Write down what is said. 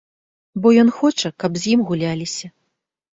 Бо ён хоча, каб з ім гуляліся.